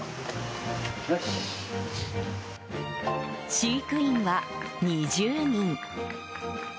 飼育員は２０人。